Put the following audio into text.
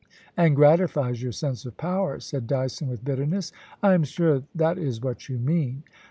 *And gratifies your sense of power/ said Dyson with bitterness. * I am sure that is what you mean.'